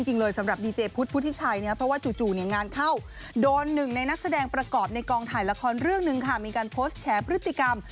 ในกองถ่ายละครเรื่องหนึ่งค่ะมีการโพสต์แชร์พฤติกรรม